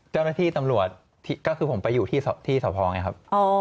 เจ้าหน้าที่ตำรวจก็คือผมไปอยู่ที่สพไงครับ